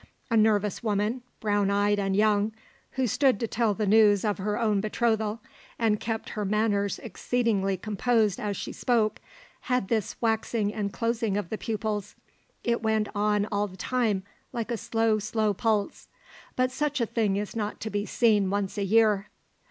A nervous woman, brown eyed and young, who stood to tell the news of her own betrothal, and kept her manners exceedingly composed as she spoke, had this waxing and closing of the pupils; it went on all the time like a slow, slow pulse. But such a thing is not to be seen once a year.